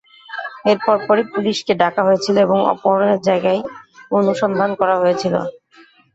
এর পরপরই পুলিশকে ডাকা হয়েছিল এবং অপহরণের জায়গায় অনুসন্ধান করা হয়েছিল।